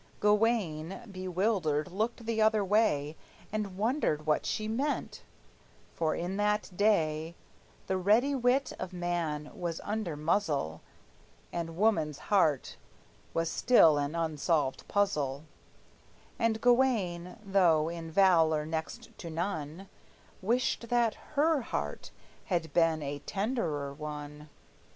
Gawayne, bewildered, looked the other way, And wondered what she meant; for in that day The ready wit of man was under muzzle, And woman's heart was still an unsolved puzzle; And Gawayne, though in valor next to none, Wished that her heart had been a tenderer one.